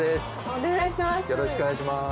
お願いします。